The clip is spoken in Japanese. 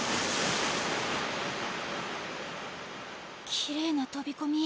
きれいなとびこみ